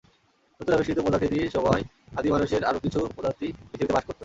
নতুন আবিষ্কৃত প্রজাতিটির সময় আদি মানুষের আরও কিছু প্রজাতি পৃথিবীতে বাস করত।